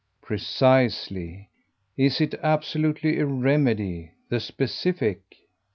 "Precisely. Is it absolutely a remedy THE specific?"